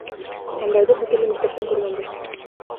Андайды бүт эле мектептен көргөнбүз.